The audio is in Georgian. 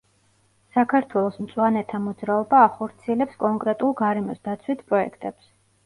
საქართველოს მწვანეთა მოძრაობა ახორციელებს კონკრეტულ გარემოსდაცვით პროექტებს.